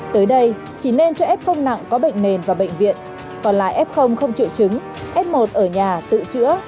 tới đây chỉ nên cho f nặng có bệnh nền và bệnh viện còn lại f không chịu chứng f một ở nhà tự chữa